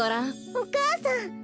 お母さん！